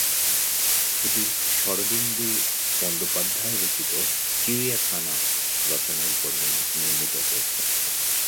এটি শরদিন্দু বন্দ্যোপাধ্যায় রচিত "চিড়িয়াখানা" রচনার উপর নির্মিত হয়েছে।